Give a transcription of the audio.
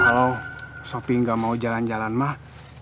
kalau sopi nggak mau jalan jalan mah